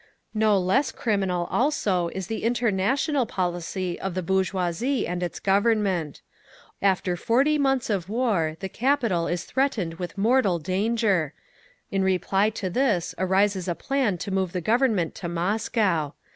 "No less criminal also is the international policy of the bourgeoisie and its Government. After forty months of war, the capital is threatened with mortal danger. In reply to this arises a plan to move the Government to Moscow.